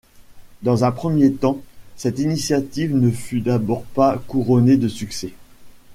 Dans un premier temps, cette initiative ne fut d'abord pas couronnée de succès.